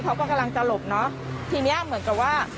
เขาก็กำลังจะหลบเนอะทีเนี้ยเหมือนกับว่า